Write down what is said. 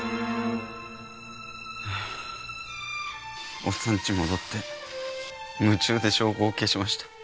おっさんち戻って夢中で証拠を消しました。